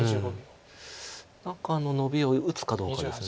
何かノビを打つかどうかです。